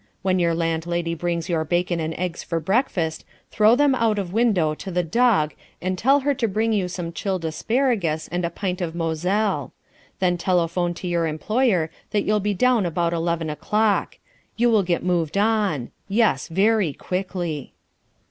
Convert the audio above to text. When your landlady brings your bacon and eggs for breakfast, throw them out of window to the dog and tell her to bring you some chilled asparagus and a pint of Moselle. Then telephone to your employer that you'll be down about eleven o'clock. You will get moved on. Yes, very quickly.